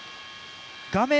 画面